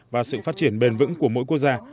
và sự phát triển bền vững của mỗi quốc gia